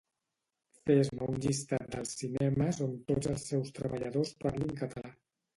Fes-me un llistat dels cinemes on tots els seus treballadors parlin català